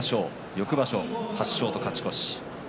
翌場所８勝と勝ち越し。